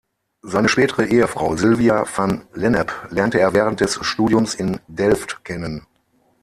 Seine spätere Ehefrau Sylvia van Lennep lernte er während des Studiums in Delft kennen.